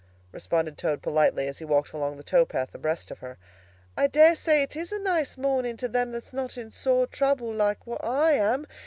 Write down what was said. responded Toad politely, as he walked along the tow path abreast of her. "I dare it is a nice morning to them that's not in sore trouble, like what I am.